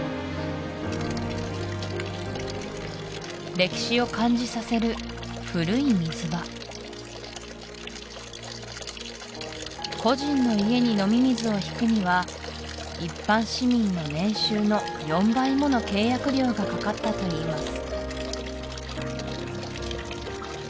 歴史を感じさせる古い水場個人の家に飲み水を引くには一般市民の年収の４倍もの契約料がかかったといいます